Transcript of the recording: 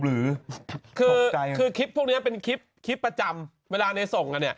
คือคลิปพวกนี้เป็นคลิปประจำเวลานายส่งนี่